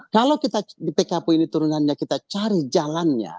kalau kita di pkpu ini turunannya kita cari jalannya